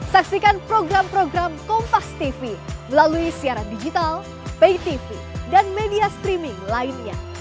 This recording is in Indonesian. saksikan program program kompastv melalui siaran digital paytv dan media streaming lainnya